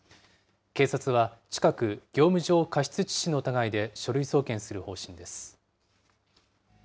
警察は近く、業務上過失致死の疑いで書類送検する方針です。